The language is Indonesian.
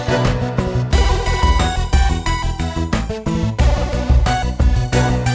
sampai jumpa lagi